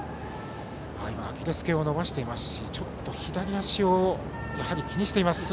今、アキレスけんを伸ばしていますしちょっと左足を気にしています。